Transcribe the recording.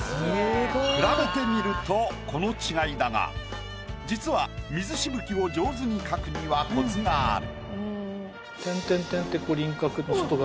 比べてみるとこの違いだが実は水しぶきを上手に描くにはコツがある。